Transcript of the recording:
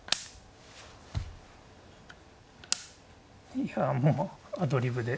いやもうアドリブで。